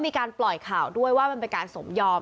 มีการปล่อยข่าวด้วยว่ามันเป็นการสมยอม